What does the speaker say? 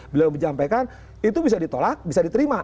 beliau menyampaikan itu bisa ditolak bisa diterima